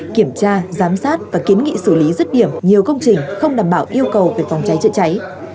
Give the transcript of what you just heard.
kiểm tra giám sát và kiến nghị xử lý rứt điểm nhiều công trình không đảm bảo yêu cầu về phòng cháy chữa cháy